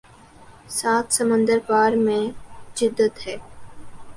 سات سمندر پار میں جدت ہے